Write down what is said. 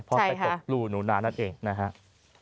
พอจะกดรูหนุนานั่นเองนะครับ